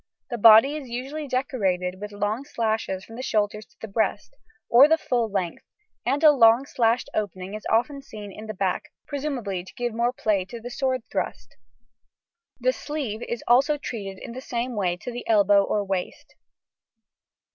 The body is usually decorated with long slashes from the shoulders to the breast, or the full length, and a long slashed opening is often seen in the back (presumably to give more play to the sword thrust). The sleeve is also treated in the same way to the elbow or waist.